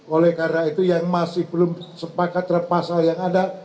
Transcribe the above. oleh karena itu yang masih belum sepakat terhadap pasal yang ada